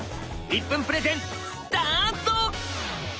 １分プレゼンスタート！